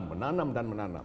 menanam dan menanam